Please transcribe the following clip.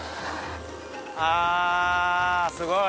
あすごい。